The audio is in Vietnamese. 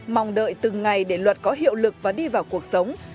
mong đợi từng ngày để luật có hiệu lực và đi vào cuộc sống